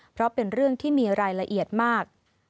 เพราะเป็นเรื่องที่มีรายละเอียดมาก